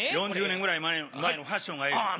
４０年ぐらい前のファッションがええて。